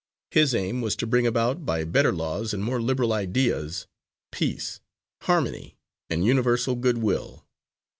His aim was to bring about, by better laws and more liberal ideas, peace, harmony, and universal good will.